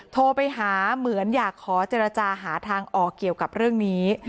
โทรไปหาเหมือนอยากขอเจรจาหาทางออกเกี่ยวกับเรื่องนี้